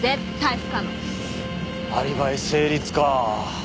アリバイ成立か。